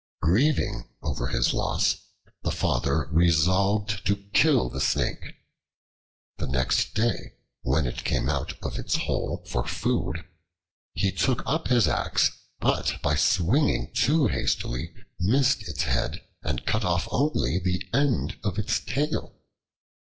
Grieving over his loss, the Father resolved to kill the Snake. The next day, when it came out of its hole for food, he took up his axe, but by swinging too hastily, missed its head and cut off only the end of its tail.